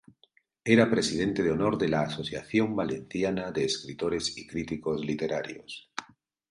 Era Presidente de honor de la Asociación Valenciana de Escritores y Críticos Literarios.